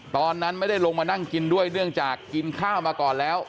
ตอนนั้นไม่ได้ลงมานั่งกินด้วยเนื่องจากกินข้าวมาก่อนแล้ว